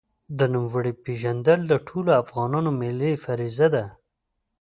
د نوموړي پېژندل د ټولو افغانانو ملي فریضه ده.